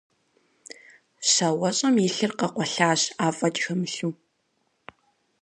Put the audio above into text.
Щауэщӏэм и лъыр къэкъуэлъащ афӏэкӏ хэмылъу.